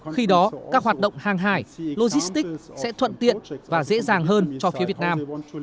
khi đó các hoạt động hàng hải logistics sẽ thuận tiện và dễ dàng hơn cho phía việt nam